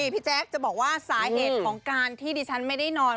พี่แจ๊คจะบอกว่าสาเหตุของการที่ดิฉันไม่ได้นอน